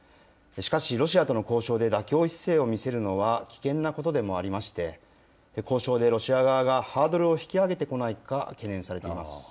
しかし、ロシアとの交渉で妥協姿勢を見せるのは危険なことでもありまして、交渉でロシア側がハードルを引き上げてこないか懸念されています。